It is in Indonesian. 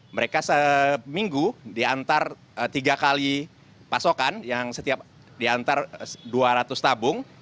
mereka seminggu diantar tiga kali pasokan yang setiap diantar dua ratus tabung